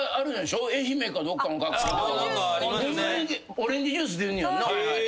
オレンジジュース出るねやんな。